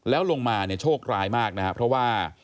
แล้วลงมาเนี่ยโชคร้ายมากนะครับเพราะว่า